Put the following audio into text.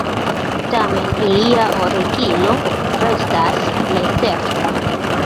Tamen, ilia origino restas necerta.